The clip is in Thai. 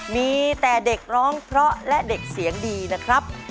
มีแต่เด็กร้องเพราะและเด็กเสียงดีนะครับ